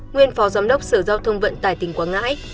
nguyên phó giám đốc sở giao thông vận tải tỉnh quảng ngãi